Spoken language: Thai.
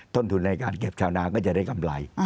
ต้นทุนในการเก็บชาวนาก็จะได้กำไร